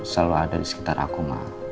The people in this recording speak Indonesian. selalu ada di sekitar aku mak